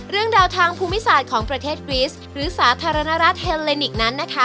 เรื่องราวทางภูมิศาสตร์ของประเทศกริสหรือสาธารณรัฐเฮลเลนิกนั้นนะคะ